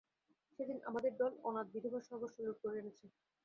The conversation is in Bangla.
সেদিন আমাদের দল অনাথা বিধবার সর্বস্ব লুঠ করে এনেছে।